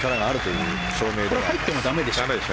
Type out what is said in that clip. これ入っても駄目でしょ。